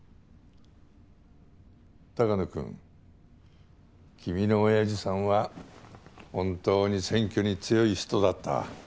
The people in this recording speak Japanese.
鷹野君君のおやじさんは本当に選挙に強い人だった。